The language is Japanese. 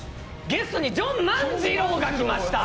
ゲストにジョン万次郎が来ました。